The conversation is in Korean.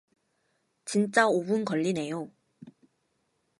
진짜 오 분 걸리네요